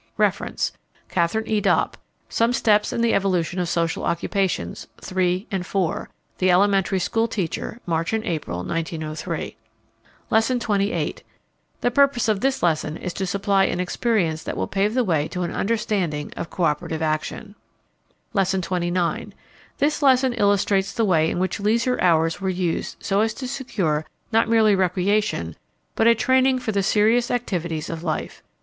Reference: Katharine E. Dopp, "Some Steps in the Evolution of Social Occupations," III., IV., The Elementary School Teacher, March and April, 1903. Lesson XXVIII. The purpose of this lesson is to supply an experience that will pave the way to an understanding of coöperative action. Lesson XXIX. This lesson illustrates the way in which leisure hours were used so as to secure not merely recreation, but a training for the Serious activities of life.